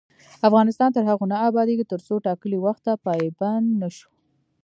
افغانستان تر هغو نه ابادیږي، ترڅو ټاکلي وخت ته پابند نشو.